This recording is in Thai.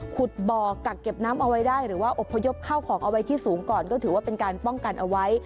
ขุดบ่อกักเก็บน้ำเอาไว้ได้หรือว่าอบพยพเข้าของเอาไว้ที่สูงก่อนก็ถือว่าเป็นการป้องกันเอาไว้